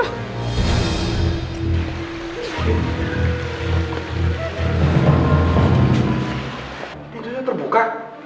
ini dia terbuka